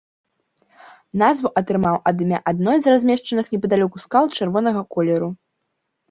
Назву атрымаў ад імя адной з размешчаных непадалёк скал чырвонага колеру.